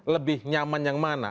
lebih nyaman yang mana